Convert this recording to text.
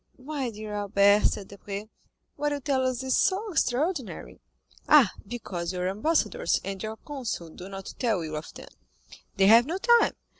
"My dear Albert," said Debray, "what you tell us is so extraordinary." "Ah, because your ambassadors and your consuls do not tell you of them—they have no time.